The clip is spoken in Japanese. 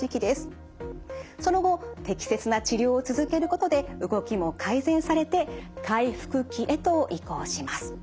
その後適切な治療を続けることで動きも改善されて回復期へと移行します。